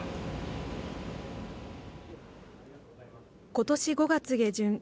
ことし５月下旬